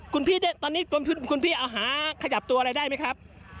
คุณพี่ตอนนี้คุณพี่เอาหาขยับตัวอะไรได้ไหมครับ